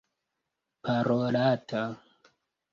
parolata